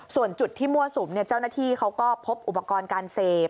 ส่วนจุดที่มั่วสุมเจ้าหน้าที่เขาก็พบอุปกรณ์การเสพ